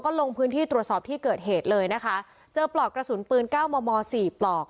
ลงพื้นที่ตรวจสอบที่เกิดเหตุเลยนะคะเจอปลอกกระสุนปืนเก้ามอมอสี่ปลอก